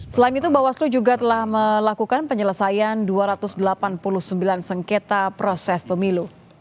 selain itu bawaslu juga telah melakukan penyelesaian dua ratus delapan puluh sembilan sengketa proses pemilu